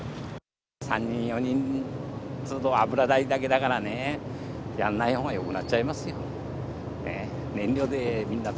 ３人、４人っつうと、油代だけだからね、やんないほうがよくなっちゃいますよ。